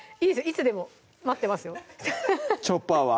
いつでも待ってますよ「チョッパー」は？